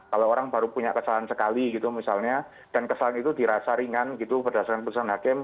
kalau orang baru punya kesalahan sekali gitu misalnya dan kesalahan itu dirasa ringan gitu berdasarkan keputusan hakim